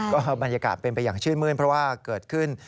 ก็บรรยากาศเป็นไปอย่างชื่นมื้นเพราะว่าเกิดขึ้น